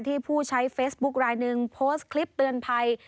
ผู้ใช้เฟซบุ๊คลายหนึ่งโพสต์คลิปเตือนภัย